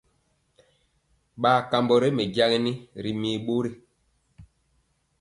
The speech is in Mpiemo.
Bar kambɔ ré mɛjagini ri mir bori.